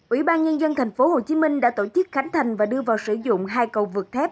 ủy ban nhân dân tp hcm đã tổ chức khánh thành và đưa vào sử dụng hai cầu vượt thép